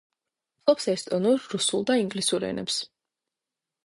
ფლობს ესტონურ, რუსულ და ინგლისურ ენებს.